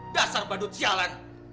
dasar badut sialan